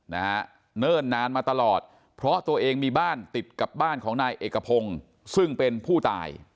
เนิ่นนานมาตลอดเพราะตัวเองมีบ้านติดกับบ้านของนายเอกพงศ์ซึ่งเป็นผู้ตาย